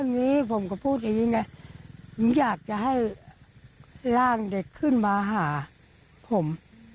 อย่างนี้ผมก็พูดอย่างนี้นะผมอยากจะให้ร่างเด็กขึ้นมาหาผม